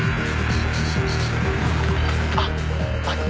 あっ。